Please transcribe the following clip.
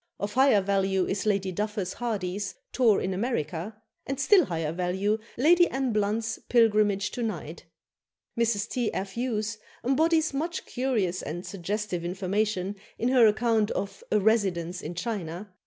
Of higher value is Lady Duffus Hardy's "Tour in America," and still higher value Lady Anne Blunt's "Pilgrimage to Nijd." Mrs. T. F. Hughes embodies much curious and suggestive information in her account of a "Residence in China."